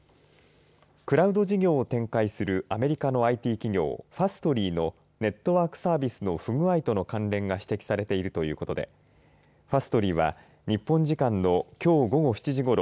クラウド事業を展開するアメリカのＩＴ企業ファストリーのネットワークサービスの不具合との関連が指摘されているということでファストリーは日本時間のきょう午後７時ごろ